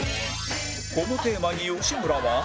このテーマに吉村は